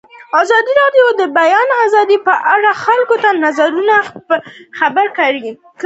ازادي راډیو د د بیان آزادي په اړه د خلکو نظرونه خپاره کړي.